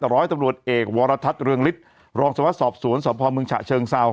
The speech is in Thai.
ร้อยตำรวจเอกวรทัศน์เรืองฤทธิ์รองสวรรสอบสวนสพเมืองฉะเชิงเซา